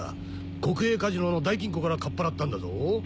国営カジノの大金庫からかっぱらったんだぞ？